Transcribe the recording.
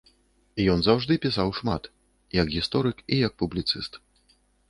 Ён заўжды пісаў шмат, як гісторык і як публіцыст.